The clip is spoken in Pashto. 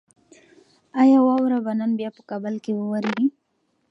ایا واوره به نن بیا په کابل کې وورېږي؟